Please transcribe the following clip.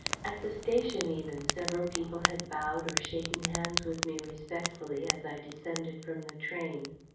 At the station even several people had bowed or shaken hands with me respectfully as I descended from the train.